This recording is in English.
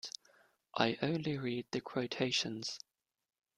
I only read the quotations.